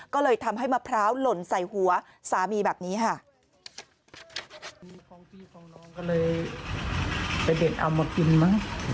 ก็เลยทำให้มะพร้าวหล่นใส่หัวสามีแบบนี้ค่ะ